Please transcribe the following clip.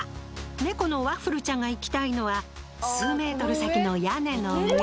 猫のワッフルちゃんが行きたいのは数メートル先の屋根の上。